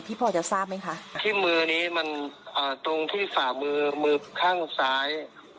พ่อจะทราบไหมคะที่มือนี้มันอ่าตรงที่ฝ่ามือมือมือข้างซ้าย